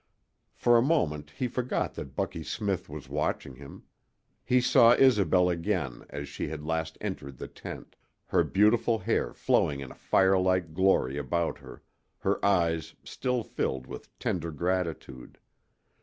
For a moment he forgot that Bucky Smith was watching him. He saw Isobel again as she had last entered the tent, her beautiful hair flowing in a firelit glory about her, her eyes still filled with tender gratitude.